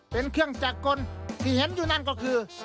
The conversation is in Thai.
เป็นเครื่องจักรกลที่เห็นอยู่นั่นก็คือ